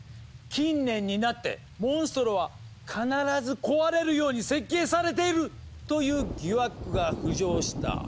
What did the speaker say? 近年になってモンストロは「必ず壊れるように設計されている」という疑惑が浮上した。